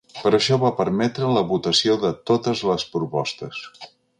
Per això va permetre la votació de totes les propostes.